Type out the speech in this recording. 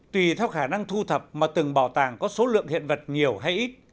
tùy theo khả năng thu thập mà từng bảo tàng có số lượng hiện vật nhiều hay ít